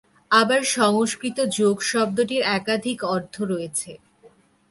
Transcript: আবার সংস্কৃত "যোগ" শব্দটির একাধিক অর্থ রয়েছে।